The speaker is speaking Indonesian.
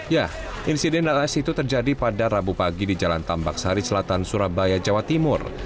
ya insiden ls itu terjadi pada rabu pagi di jalan tambak sari selatan surabaya jawa timur